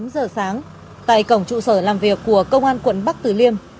tám giờ sáng tại cổng trụ sở làm việc của công an quận bắc tử liêm